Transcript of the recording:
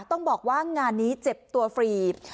ต้องบอกว่างานนี้เจ็บตัวฟรี